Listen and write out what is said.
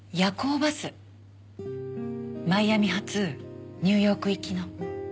マイアミ発ニューヨーク行きの。